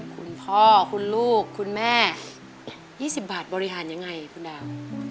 คุณพ่อคุณลูกคุณแม่๒๐บาทบริหารยังไงคุณดาว